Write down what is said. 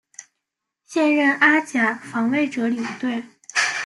现任阿甲防卫者领队。